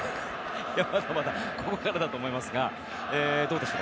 まだまだここからだと思いますがどうでしょう